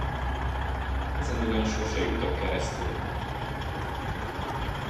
Ezen ugyan sose jutok keresztül!